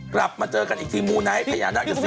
กลับมาเจอกันอีกทีมูนไนท์พญานาคกับซิริก